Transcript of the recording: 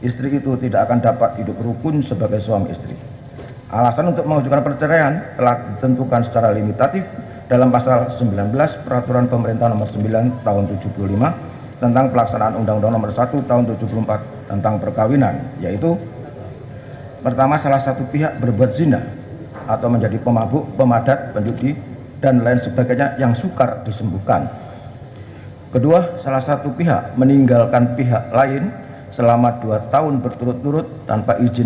pertama penggugat akan menerjakan waktu yang cukup untuk menerjakan si anak anak tersebut yang telah menjadi ilustrasi